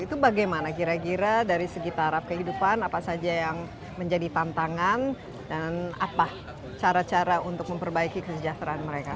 itu bagaimana kira kira dari segi tarap kehidupan apa saja yang menjadi tantangan dan apa cara cara untuk memperbaiki kesejahteraan mereka